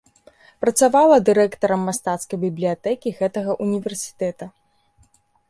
Працавала дырэктарам мастацкай бібліятэкі гэтага ўніверсітэта.